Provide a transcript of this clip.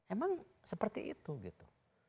emang seperti itu gitu